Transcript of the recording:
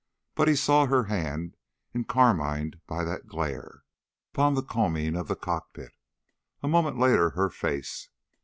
But he saw her hand, encarmined by that glare, upon the combing of the cockpit. A moment later her face.